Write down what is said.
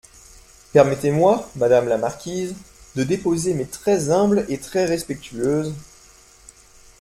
Permettez-moi, madame la marquise, de déposer mes très humbles et très respectueuses…